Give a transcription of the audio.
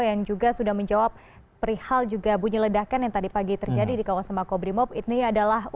yang juga sudah menjawab perihal juga bunyi ledakan yang tadi pagi terjadi di kawasemba kgesetzan